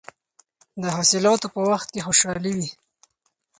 د حاصلاتو په وخت کې خوشحالي وي.